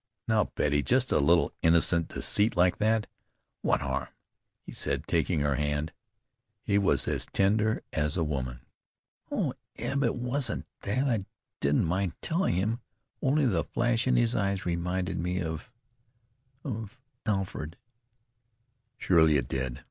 "Now, Betty, just a little innocent deceit like that what harm?" he said, taking her hand. He was as tender as a woman. "Oh, Eb, it wasn't that. I didn't mind telling him. Only the flash in his eyes reminded me of of Alfred." "Surely it did.